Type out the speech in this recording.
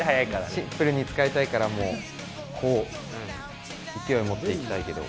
シンプルに使いたいからもう、こう、勢いを持っていきたいけど。